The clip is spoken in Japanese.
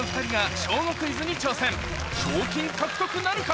賞金獲得なるか？